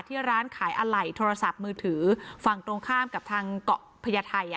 ร้านขายอะไหล่โทรศัพท์มือถือฝั่งตรงข้ามกับทางเกาะพญาไทย